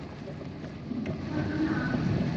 双车道。